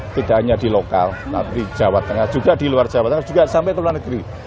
tidak hanya di lokal tapi di jawa tengah juga di luar jawa tengah juga sampai ke luar negeri